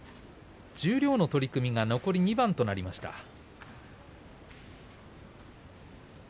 十両の取組が残り２番となりました。